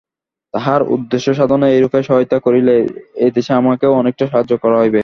তাঁহার উদ্দেশ্যসাধনে এইরূপে সহায়তা করিলে এদেশে আমাকেও অনেকটা সাহায্য করা হইবে।